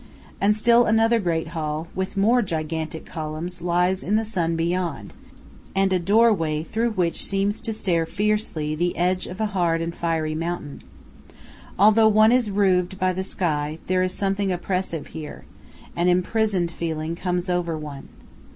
And still another great hall, with more gigantic columns, lies in the sun beyond, and a doorway through which seems to stare fiercely the edge of a hard and fiery mountain. Although one is roofed by the sky, there is something oppressive here; an imprisoned feeling comes over one.